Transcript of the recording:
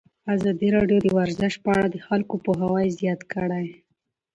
ازادي راډیو د ورزش په اړه د خلکو پوهاوی زیات کړی.